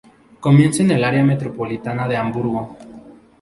Comienza en el área metropolitana de Hamburgo.